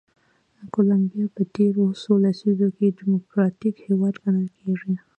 کولمبیا په تېرو څو لسیزو کې ډیموکراتیک هېواد ګڼل کېږي.